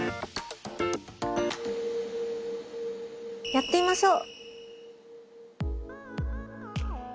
やってみましょう。